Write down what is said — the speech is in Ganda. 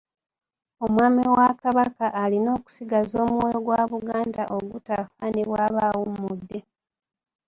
Omwami wa Kabaka alina okusigaza omwoyo gwa Buganda ogutafa ne bw'aba awummudde.